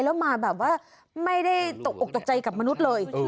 แล้วมาแบบว่าไม่ได้ตกอกตกใจกับมนุษย์เลย